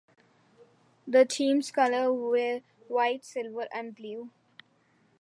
The team's colors were white, silver and blue.